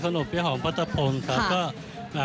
ขนมเปี๊ยะหอมพัสสะพนครับ